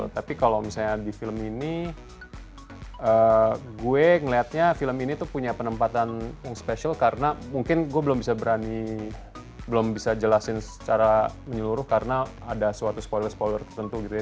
tapi kalau misalnya di film ini gue ngeliatnya film ini tuh punya penempatan yang spesial karena mungkin gue belum bisa berani belum bisa jelasin secara menyeluruh karena ada suatu spoiler spoiler tertentu gitu ya